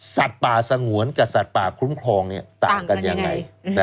สัตว์ป่าสงวนกับสัตว์ป่าคุ้มครองต่างกันยังไง